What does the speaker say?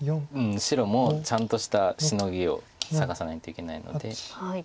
白もちゃんとしたシノギを探さないといけないので。